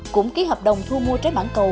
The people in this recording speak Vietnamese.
cũng ký hợp đồng thu mua trái mảng cầu